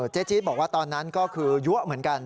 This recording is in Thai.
เจ๊จี๊ดบอกว่าตอนนั้นก็คือยั้วเหมือนกัน